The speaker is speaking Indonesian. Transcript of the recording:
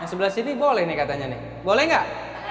yang sebelah sini boleh nih katanya nih boleh nggak